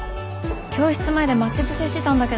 教室前で待ち伏せしてたんだけどさ